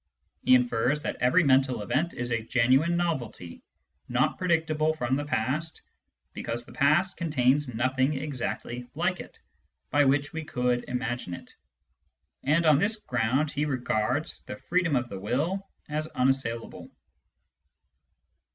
He infers that every mental event is a genuine novelty, not predictable from the past, because the past contains nothing exactly like it by which we could imagine it. And on this ground he regards the freedom of the will as unassailable.